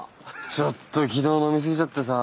ちょっと昨日飲み過ぎちゃってさ。